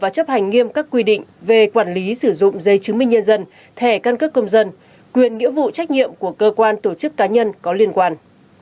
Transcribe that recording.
thẻ căn cước công dân quyền nghĩa vụ trách nhiệm của cơ quan tổ chức cá nhân có liên quan